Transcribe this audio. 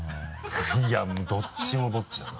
いやどっちもどっちだな。